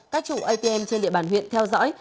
các chủ atm trên địa bàn huyện theo dõi